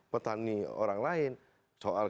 petani orang lain soal